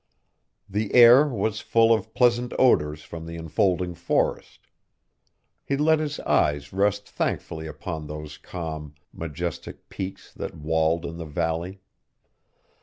The air was full of pleasant odors from the enfolding forest. He let his eyes rest thankfully upon those calm, majestic peaks that walled in the valley.